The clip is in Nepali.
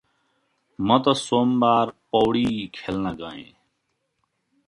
म गत सोमबार पौडी खेल्न गएँ।